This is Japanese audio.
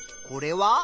これは？